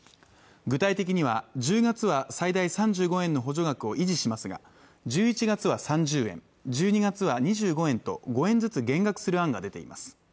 具体的には１０月は最大３５円の補助額を維持しますが１１月は３０円１２月は２５円と５円ずつ減額する案が出ています